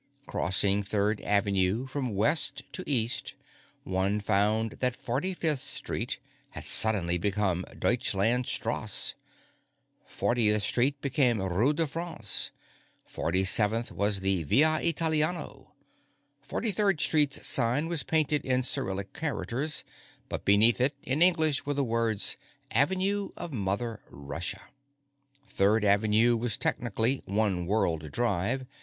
Crossing Third Avenue from west to east, one found that 45th Street had suddenly become Deutschland Strasse; 40th Street became Rue de France; 47th was the Via Italiano. 43rd Street's sign was painted in Cyrillic characters, but beneath it, in English, were the words "Avenue of Mother Russia." Third Avenue was technically One World Drive.